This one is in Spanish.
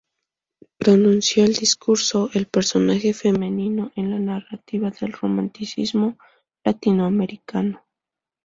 Pronunció el discurso "El personaje femenino en la narrativa del romanticismo latinoamericano".